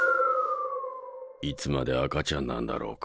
いつまで赤ちゃんなんだろうか。